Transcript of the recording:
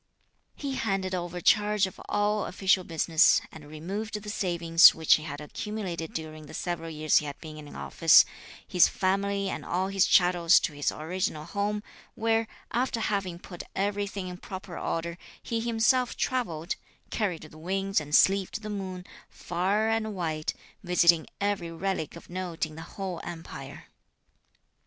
He handed over charge of all official business and removed the savings which he had accumulated during the several years he had been in office, his family and all his chattels to his original home; where, after having put everything in proper order, he himself travelled (carried the winds and sleeved the moon) far and wide, visiting every relic of note in the whole Empire.